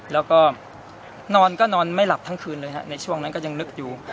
แล้วก็นอนก็นอนไม่หลับทั้งคืนเลยฮะในช่วงนั้นก็ยังนึกอยู่